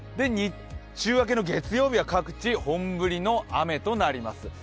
日中明けの月曜日は各地本降りの雨となります。